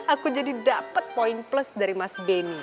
aku jadi dapat poin plus dari mas benny